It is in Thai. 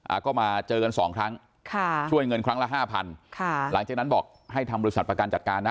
อ่าก็มาเจอกันสองครั้งค่ะช่วยเงินครั้งละห้าพันค่ะหลังจากนั้นบอกให้ทำบริษัทประกันจัดการนะ